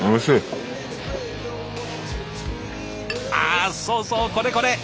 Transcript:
あそうそうこれこれ。